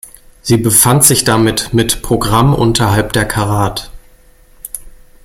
Sie befand sich damit mit Programm unterhalb der Karat.